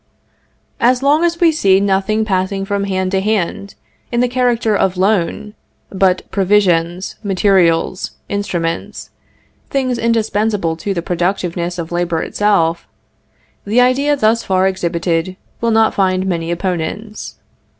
As long as we see nothing passing from hand to hand, in the character of loan, but provisions, materials, instruments, things indispensable to the productiveness of labor itself, the ideas thus far exhibited will not find many opponents.